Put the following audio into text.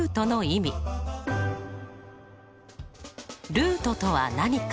ルートとは何か。